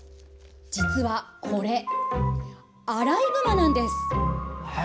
実はこれアライグマなんです。